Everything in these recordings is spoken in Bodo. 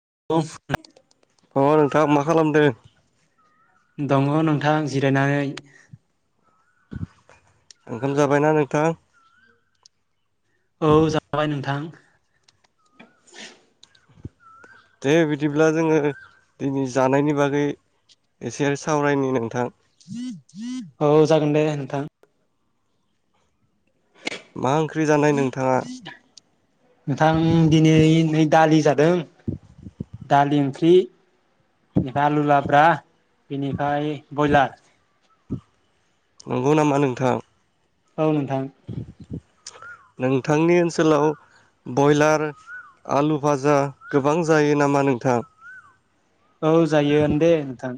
[unintelligible] अ नोंथाङ मा खालामदों दङ नोंथां जिरायनानै ओंखाम जाबायना नोंथां औ जाबाय नोंथां दे बिदिब्ला जोङो दिनै जानायनि बागै एसे आरो सावरायनि नोंथां औ जागोन दे नोंथां मा ओंख्रि जानाय नोंथाङा नोंथां दिनै नै दालि जादों दालि ओंख्रि बेनिफ्राय आलु लाब्रा बेनिफ्राय ब्रयलार नंगौ नामा नोंथां औ नोंथां नोंथांनि ओनसोलाव बयलार आलु भाजा गोबां जायो नामा नोंथां औ जायो ओन दे नोंथां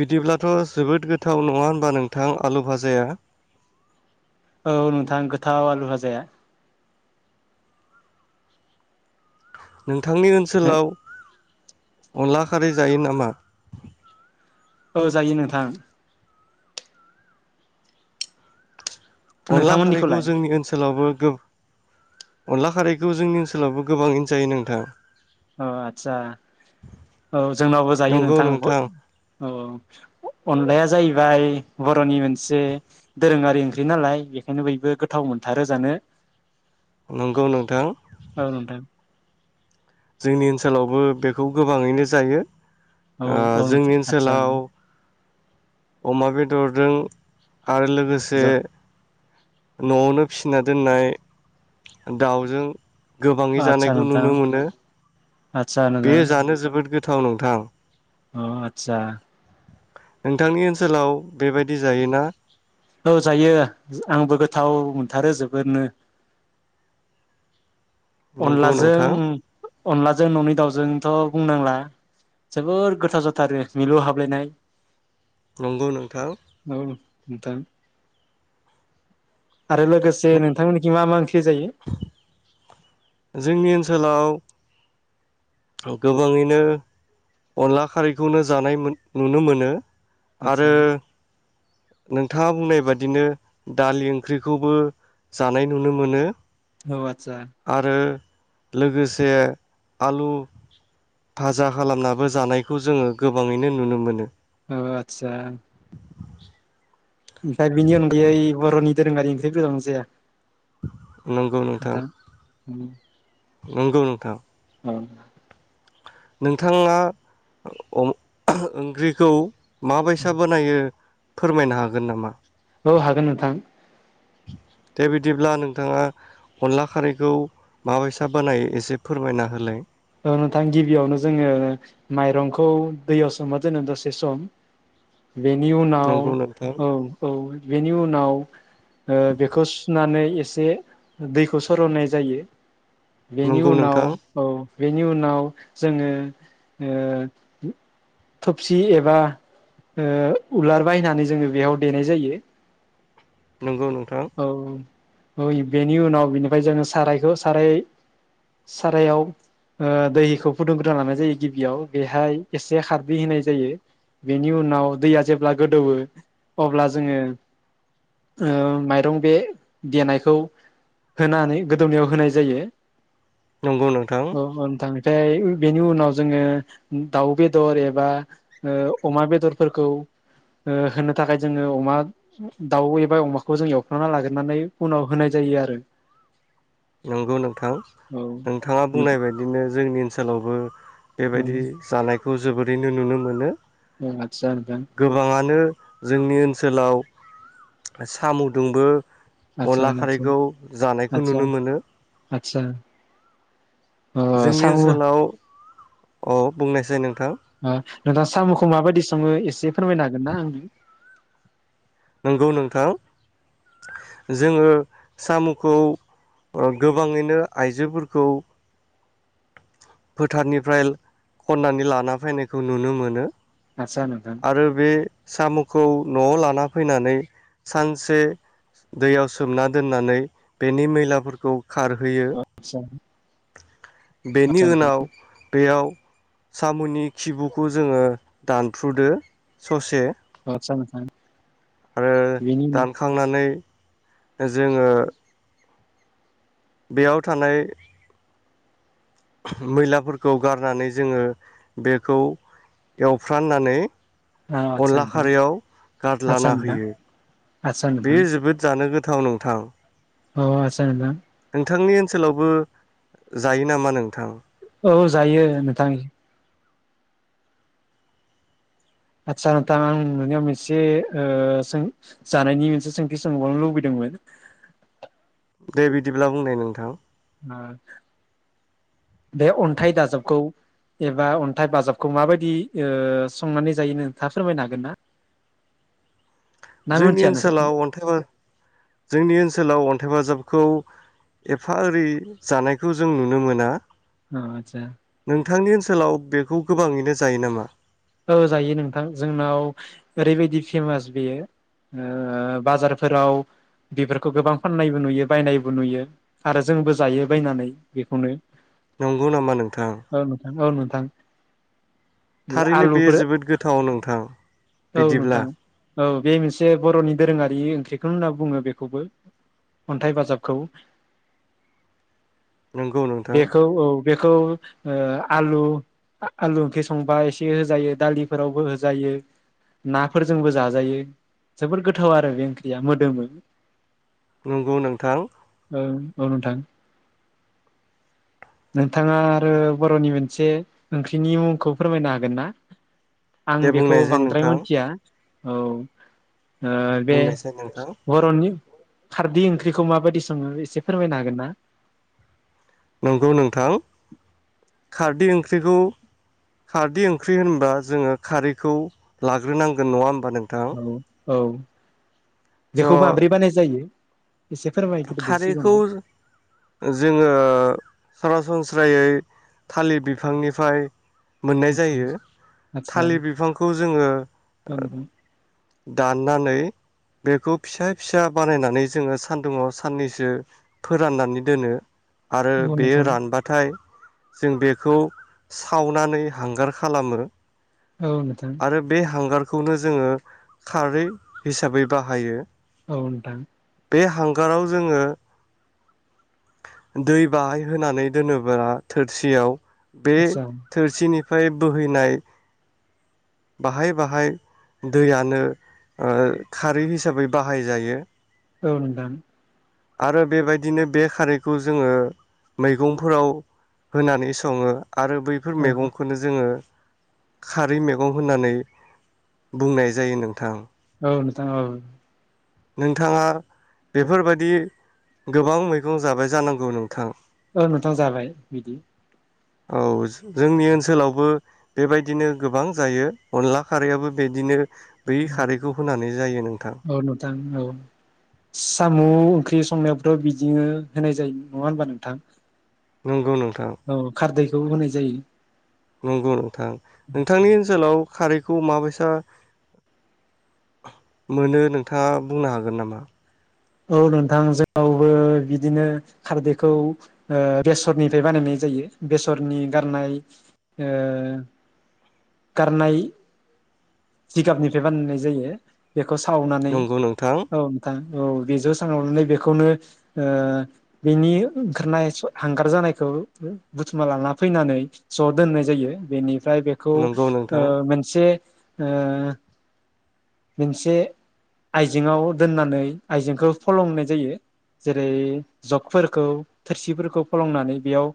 बिदिब्लाथ' जोबोद गोथाव नङा होनबा नोंथां आलु भाजाया औ नोंथां गोथाव आलु भाजाया नों थांनि नों ओनसोलाव अनला खारै जायो नामा औ जायो नोंथां अनला खारैखौ नोंथांमोननिखौलाय जोंनि ओनसोलावबो गो अनला खारैखौ जोंनि ओनसोलावबो गोबाङैनो जायो नोंथां औ आतसा औ जोंनावबो जायो नंगौ नोंथाङ औ नोंथां औ अनलाया जाहैबाय बर'नि मोनसे दोरोङारि ओंख्रि नालाय बेखायनो बयबो गोथाव मोनथारो जानो नोंगौ नोंथां औ नोंथां जोंनि ओनसोलावबो बेखौ गोबाङैनो जायो औ ओ औ नोंथां जोंनि आदसा ओनसोलाव नोंथां अमा बेदरजों आरो लोगोसे न'आवनो फिसिना दोननाय दाउजों गोबाङै आदसा जानायखौ नोंथां नुनो मोनो आदसा बे नोंथां जानो जोबोद गोथ गोथाव नोंथां अ आतसा नोंथांनि ओनसोलाव बेबायदि जायोना औ जायो आंबो गोथाव मोनथारो जोबोरनो नंगौ नोंथां अनलाजों अनलाजों न'नि दाउजोंथ' बुंनांला जोबोर गोथाव जाथारो मिलु हाबलायनाय नोंगौ नोंथां औ नोंथां आरो लोगोसे नोंथांमोननिखि मा मा ओंख्रि जायो जोंनि ओनसोलाव गोबाङैनो अनला खारैखौनो जानाय मोन नुनो मोनो आदसा आरो नों थाङा बुंनाय बादिनो दालि ओंख्रिखौबो जानाय नुनो मोनो औ आदसा आरो लोगोसे आलु भाजा खालामना बो जानायखौ जोङो गोबाङैनो नुनो मोनो औ आतसा ओमफ्राय बिनि अनगायै बर'नि दोरोङारि ओंख्रि गोजावानो जाया [unintelligible] नोंगौ नोंथां उम नंगौ नोंथां औ [unintelligible] नोंथाङा ओंख्रिखौ माबायसा बानायो फोरमायनो हागोन नामा औ हागोन नोंथां दे बिदिब्ला नोंथाङा अनला खारैखौ माबायसा बानायायो एसे फोरमायना होलाय औ नोंथां गिबियावनो जोङो माइरंखौ दैयाव सोमना दोनो दसे सम बेनि उनाव नंगौ नोंथां औ औ बेनि उनाव ओ बेखौ सुनानै एसे दैखौ सरनाय जायो बेनि नंगौ उनाव नोंथां औ बेनि उनाव जोङो ओ थबसि एबा ओ उलार बायनानै जोङो बेयाव देनाय जायो नंगौ नों औ ओइ बेनि उनाव बेनिफ्राय जोङो सारायखौ साराय सारायाव ओ दैखौ फुदुंग्रोना लानाय जायो गिबियाव बेहाय एसे खारदै होनाय जायो बेनि उनाव दैया जेब्ला गोदौवो अब्ला जोङो ओ मा बे देनायखौ होनानै गोदौनायाव होनाय जायो नंगौ नोंथां ओमफ्राय बेनि उनाव जोङो दाउ बेदर एबा ओ अमा ओ बेदरफोरखौ ओ होनो थाखाय जोङो अमा दाउ एबा अमाखौ जों एव खांना लाग्रनानै उनाव होनाय जायो आरो नंगौ नोंथां औ नोंथाङा बिदि बुंनाय बायदिनो जोंनि ओनसोलावबो औ बेबायदि जानाय खौ जोबोरैनो नुनो मोनो औ आदसा नोंथां गोबाङानो जोंनि ओनोल ओनसोलाव सामु दोंबो आदसा अनला आदसा खारैखौ जानायखौ नुनो मोनो आतसा जोंनि ओनसोलाव अ बुंनायसाय नों आं नोंथाङा साम'खौ माबायदि स ङो एसे फोरमायनो हागोन ना आंनो नोंगौ नोंथां जोङो साम'खौ गोबाङैनो आइजोफोरखौ फोथारनिफ्राय खननानै लाना फैनायखौ नुनो मोनो आदसा नोंथां आरो बे साम'खौ न'आव लाना फैनानै सानसे दैयाव सोमना दोननानै बेनि मैलाफोरखौ खारहोयो आतसा बेनि उनाव बेयाव साम'नि खिबुखौ जोङो दानफ्रुदो ससे आदसा नोंथां आरो बिनि दानखांनानै जोङो बेयाव थानाय मैलाफोरखौ गारनानै जोङो बेखौ एवफ्राननानै उनाव अ आदसा अनला नोंथां खारयाव आदसा गारलाना नोंथां होयो आदसा नोंथां बेयो जोबोद जानो गोथाव नोंथां औ आत्सा नोंथां नोंथांनि ओनसोलावबो जायो नामा नोंथां औ जायो नोंथां आदसा नोंथां आं नोंनियाव मोनसे ओ सों जानायनि मोनसे सोंथि सोंबावनो लुबैदोंमोन दे बिदिब्ला बुंनाय नोंथां आरो बे अन्थाइ दाजाबखौ एबा अन्थाइ बाजाबखौ माबायदि ओ संनानै जायो नोंथाङा फोरमायनो हागोन ना ना जोंनि मिथिया नोंसोर ओनसोलाव अन्थाइ [inaudible] जोंनि ओनसोलाव अन्थाइ बाजाबखौ एफा ओरै जानायखौ जों नुनो मोना औ आसा नोंथांनि ओनसोलाव बेखौ गोबाङैनो जायो नामा औ जायो नोंथां जोंनाव ओरैबायदि फेमास बेयो ओ बाजारफोराव बेफोरखौ गोबां फाननायबो नुयो बायनायबो नुयो आरो जोंबो जायो बायनानै बेखौनो नंगौ नामा नोंथां थां थारैनो बेयो जोबोद गोथाव औ नोंथां औ बिदिब्ला नोंथां औ बे मोनसे बर'नि दोरोङारि ओंख्रिखौ बिथां होनना बुङो बेखौबो अन्थाइ बाजाबखौ नंगौ नोंथां बेखौ औ बेखौ ओ आलु आलु ओंख्रि संबा एसे होजायो दालिफोरावबो होजायो नाफोरजोंबो जाजायो जोबोर गोथाव आरो बे ओंख्रिया मोदोमो नंगौ नोंथां औ औ नोंथां नोंथाङा आरो बर'नि मोनसे ओंख्रिनि मुंखौ फोरमायनो हागोन ना आं दे बेखौ बुंनायसाय बांद्राय नोंथां मोनथिया औ ओ बे बुंनायसाय नोंथां बर'नि खारदै ओंख्रिखौ माबायदि सङो एसे फोरमायनो हागोन ना नंगौ नोंथां खारदै ओंख्रिखौ खारदै ओंख्रि होनबा जोङो खारैखौ लाग्रोनांगोन नङा होन बा नोंथां औ औ बेखौ माब्रै स' बानाय जायो एसे फोरमायग्रोदो खारैखौ सिगाङाव जोङो सरासनस्रा स्रायै थालिर बिफांनिफ्राय मोननाय आदसा जायो आदसा थालिर बिफांखौ जोङो औ नोंथां दाननानै बेखौ फिसा फिसा बानायनानै जोङो सानदुङाव साननैसो फोराननानै दोनो आरो औ नोंथां बेयो रानबाथाय जों बेखौ सावनानै हांगार खालामो औ नोंथां आरो बे हांगार बेखौनो जोङो खारै हिसाबै बाहायो औ नोंथां बे हांगाराव जोङो दै बाहाय होनानै दोनोबा थोरसियाव बे आदसा थोरसिनि फाय बोहैनाय बाहाय बाहाय दैयानो ओ खारै हिसाबै बाहायजायो औ नोंथां आरो बेबायदिनो बे खारैखौ जोङो मैगंफोराव होनानै सङो आरो बैफोर औ नोंथां मैगंखौनो जोङो खारिमेल होननानै बुंनाय जायो नोंथां औ नोंथां औ नोंथाङा बेफोरबायदि गोबां मैगं जाबाय जानांगौ नोंथां औ नोंथां जाबाय बिदि औ जोंनि ओनसोलावबो बेबायदिनो गोबां जायो अनला खारैयाबो बिदिनो बै खारैखौ होनानै जायो नोंथां औ नोंथां औ साम' ओंख्रि संनायाबोवथ' बिदिनो होनाय जायो नङा होनबा नोंथां नंगौ नंगौ औ खारदै खौ होनाय जायो नंगौ नोंथां नोंथांनि ओनसोलाव खारैखौ माबायसा मोनो नोंथाङा बुंनो हागोन नामा? औ नोंथां जों [inaudible] वबो बिदिनो खारदैखौ ओ बेसरनिफ्राय बानायनाय जायो बेसरनि गारनाय ओ गारनाय जिगाबनिफ्राय बानायनाय जायो बे। बेखौ सावनानै नंगौ नोंथां औ नोंथां औ बे ज' सांनानै बेखौनो ओ बेनि ओंखारनाय हांगार जानायखौ बुथुमा लाना फैनानै ज' दोननाय जायो बेनि ओमफ्राय बेखौ ओ नंगौ नोंथां मोनसे ओ मोनसे आइजेंआव दोननानै आइजेंखौ फलंनाय जायो जेरै जगफोरखौ थोरसिफोरखौ फलंनानै बेयाव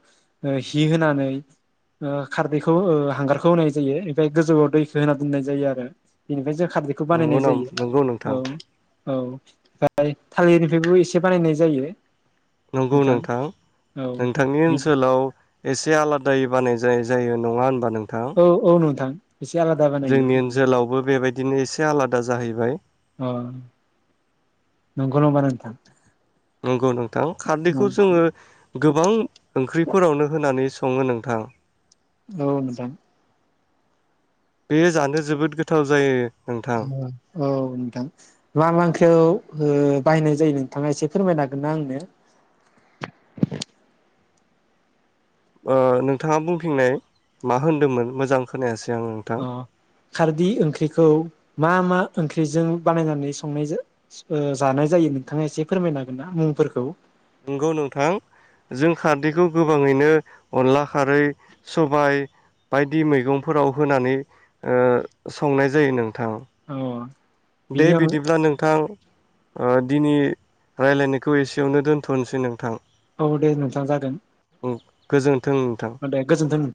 ओ हि होनानै ओ खारदैखौ ओ हांगारखौ होनाय जायो ओमफ्राय गोजौआव दैखौ होनानै बुंनाय जायो आरो बेनिफ्राय जों खारदैखौ नंगौ बानायनाय नाम जायो नंगौ नोंथां औ औ ओमफ्राय थालिरनिफ्रायबो एसे बानायनाय जायो नंगौ नोंथां औ नोंथांनि ओनसोलाव एसे आलादायै बानाय जा जायो नङा होनबा नों औ औ नोंथां। एसे आलादा बानायो जोंनि ओनसोलावबो बेबायदिनो एसे आलादा जाहैबाय। अ नंगौ नङबा नोंथां नंगौ नंगौ। दा खारदैखौ औ जोङो गोबां ओंख्रिफोरावनो होनानै स सङो नोंथां औ मोजां बे जानो जोबोद गोथाव जायो। नोंथां औ नोंथां मा मा ओंख्रियाव बाहायनाय जायो नोंथाङा एसे फोरमायनो हागोन ना आंनो? ओ नोंथाङा बुंफिंनाय मा होनदोंमोन मोजां खोनायासै। आं नोंथां अ खारदै ओंख्रिखौ मा मा ओंख्रिजों बानायनानै संनाय जानाय जायो नोंथाङा एसे फोरमायनो हागोन ना मुंफोरखौ? नंगौ नोंथां जों खारदैखौ गोबाङैनो अनला खारै सबाय बायदि मैगंफोराव होनानै ओ संनाय जायो नों औ दे बिदिब्ला नोंथां। ओ दिनै रायज्लायनायखौ एसेयावनो दोनथ'नोसै नोंथां औ दे नोंथां जागोन। गोजोन आ दे गोजोन्थों